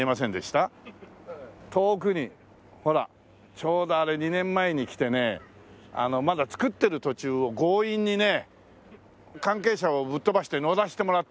遠くにほらちょうどあれ２年前に来てねまだ造ってる途中を強引にね関係者をぶっ飛ばして乗らせてもらったんですよ。